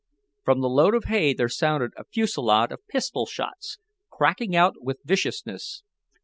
From the load of hay there sounded a fusillade of pistol shots, cracking out with viciousness.